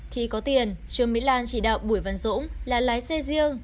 khi có tiền trương mỹ lan chỉ đạo bùi văn dũng là lái xe riêng